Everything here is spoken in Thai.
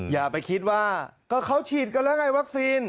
อย่าไปคิดว่าก็เขาฉีดกันแล้วไงวัคซีน